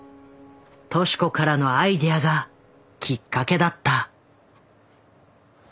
敏子からのアイデアがきっかけだった。